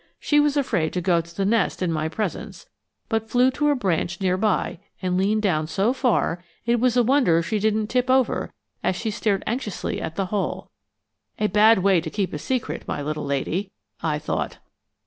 She was afraid to go to the nest in my presence, but flew to a branch near by and leaned down so far it was a wonder she didn't tip over as she stared anxiously at the hole a bad way to keep a secret, my little lady! I thought.